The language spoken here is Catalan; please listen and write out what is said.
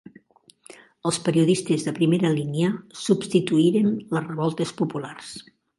Els periodistes de primera línia substituirem les revoltes populars.